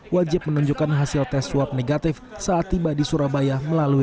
wajib menunjukkan hasil tes swab negatif saat tiba di surabaya melalui